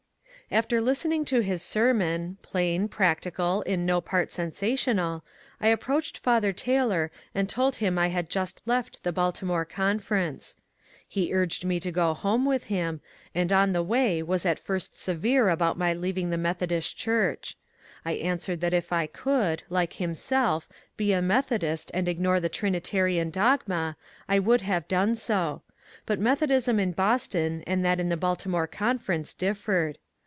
After listening to his sermon, — plain, practical, in no part sensational, — I approached Father Taylor and told him I had just left the Baltimore Conference. He urged me to go home 132 MONCURE DANIEL CONWAY with bim, and on the way was at first severe about my leaving the Methodish Church. I answered that if I could, like him self, be a Methodist and ignore the Trinitarian dogma, I would have done so ; but Methodism in Boston and that in the Bal timore Conference differed.